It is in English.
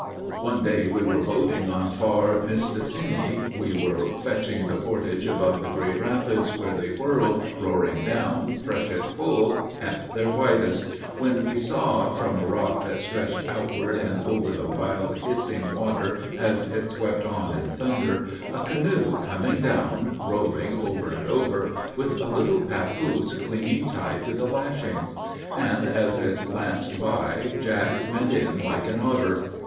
One day we were boating on far Mistassinni. We were fetching the portage above the great rapids, Where they whirled, roaring down, freshet full, at their whitest, When we saw from a rock that stretched outward and over The wild hissing water as it swept on in thunder, A canoe coming down, rolling over and over, With a little papoose clinging tight to the lashings; And as it lanced by Jack went in like an otter.